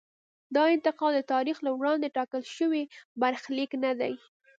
دا انتقال د تاریخ له وړاندې ټاکل شوی برخلیک نه دی.